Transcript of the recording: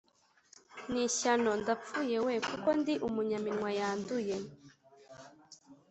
“ni ishyano, ndapfuye we! kuko ndi umunyaminwa yanduye,